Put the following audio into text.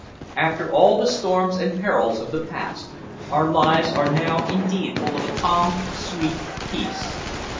After all the storms and perils of the past, our lives are now indeed full of a calm, sweet peace.